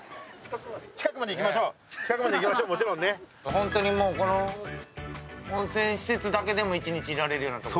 ホントにもうこの温泉施設だけでも一日いられるようなとこ。